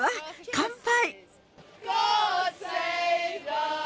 乾杯！